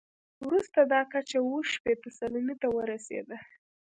وروسته دا کچه اووه شپېته سلنې ته ورسېده.